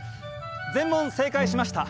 「全問正解しました」。